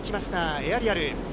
エアリアル。